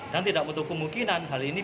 dan tidak mutu kemungkinan hal ini berlaku